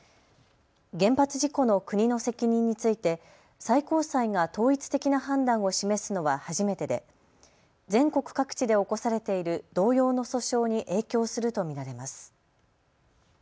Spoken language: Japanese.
原発事故の国の責任について最高裁が統一的な判断を示すのは初めてで全国各地で起こされている同様の訴訟に影響すると見られます。